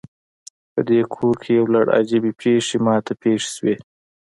پدې کور کې یو لړ عجیبې پیښې ما ته پیښ شوي